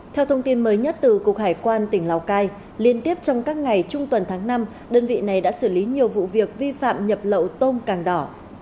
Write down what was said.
theo thông tin mới nhất từ cục hải quan tỉnh lào cai liên tiếp trong các ngày trung tuần tháng năm đơn vị này đã xử lý nhiều vụ việc vi phạm nhập lậu tôm càng đỏ